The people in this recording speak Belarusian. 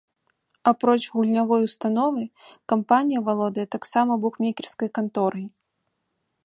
Апроч гульнявой установы, кампанія валодае таксама букмекерскай канторай.